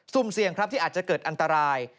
เสี่ยงครับที่อาจจะเกิดอันตราย